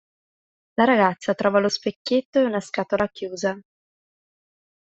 La ragazza trova lo specchietto e una scatola chiusa.